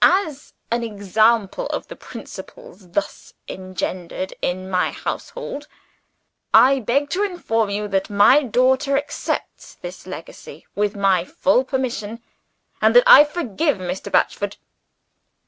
As an example of the principles thus engendered in my household, I beg to inform you that my daughter accepts this legacy with my full permission, and that I forgive Mr. Batchford."